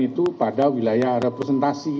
itu pada wilayah representasi